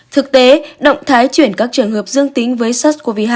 thực tế động thái chuyển các trường hợp dương tính với sars cov hai